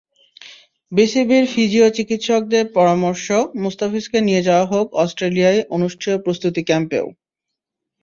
বিসিবির ফিজিও-চিকিত্সকদের পরামর্শ, মোস্তাফিজকে নিয়ে যাওয়া হোক অস্ট্রেলিয়ায় অনুষ্ঠেয় প্রস্তুতি ক্যাম্পেও।